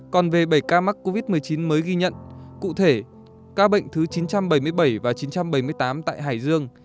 còn về bảy ca mắc covid một mươi chín mới ghi nhận cụ thể ca bệnh thứ chín trăm bảy mươi bảy và chín trăm bảy mươi tám tại hải dương